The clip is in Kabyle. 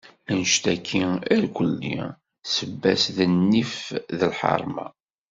Anect-agi irkelli, sebba-s d nnif d lḥerma.